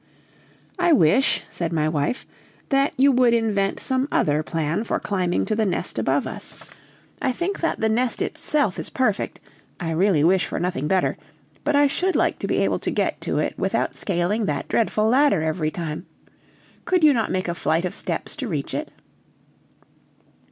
"I wish," said my wife, "that you would invent some other plan for climbing to the nest above us; I think that the nest itself is perfect I really wish for nothing better, but I should like to be able to get to it without scaling that dreadful ladder every time; could you not make a flight of steps to reach it?"